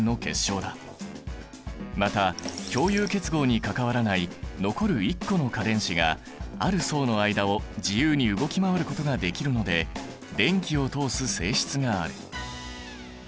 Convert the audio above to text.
また共有結合に関わらない残る１個の価電子がある層の間を自由に動き回ることができるので電気を通す性質がある。